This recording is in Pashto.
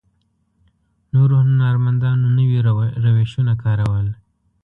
نورو هنرمندانو نوي روشونه کارول.